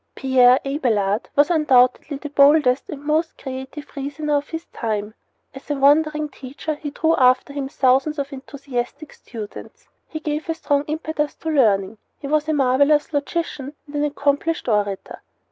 Pierre Abelard was undoubtedly the boldest and most creative reasoner of his time. As a wandering teacher he drew after him thousands of enthusiastic students. He gave a strong impetus to learning. He was a marvelous logician and an accomplished orator.